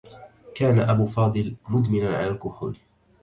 كان أب فاضل مدمنا على الكحول.